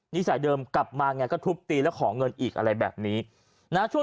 สายเดิมกลับมาไงก็ทุบตีแล้วขอเงินอีกอะไรแบบนี้นะช่วง